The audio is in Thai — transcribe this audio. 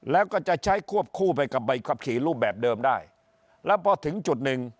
แล้วก็จะใช้ควบคู่ไปกับใบขับขี่รูปแบบเดิมได้แล้วพอถึงจุดหนึ่ง